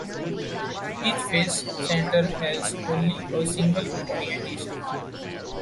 Each face center has only a single orientation.